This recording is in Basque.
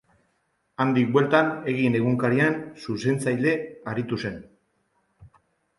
Handik bueltan, Egin egunkarian zuzentzaile aritu zen.